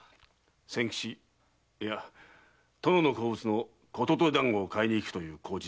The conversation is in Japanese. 千吉いや殿の好物の言問団子を買いに行くという口実でな。